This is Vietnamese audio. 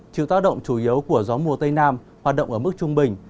chịu tác động chủ yếu của gió mùa tây nam hoạt động ở mức trung bình